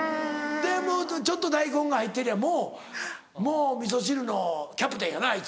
ちょっと大根が入ってりゃもうもうおみそ汁のキャプテンやなあいつ。